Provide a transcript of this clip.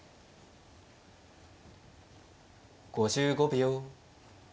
５５秒。